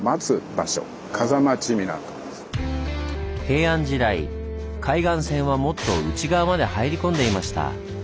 平安時代海岸線はもっと内側まで入り込んでいました。